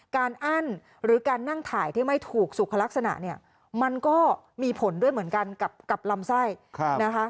อั้นหรือการนั่งถ่ายที่ไม่ถูกสุขลักษณะเนี่ยมันก็มีผลด้วยเหมือนกันกับลำไส้นะคะ